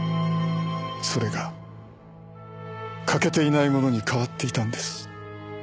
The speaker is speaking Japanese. それが欠けていないものに変わっていたんです。